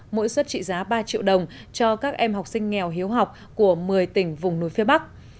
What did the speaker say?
mỗi suất trị giá ba triệu đồng cho các em học sinh nghèo hiếu học của một mươi tỉnh vùng núi phía bắc